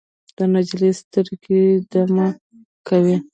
د نجلۍ سترګو کې دمه کوي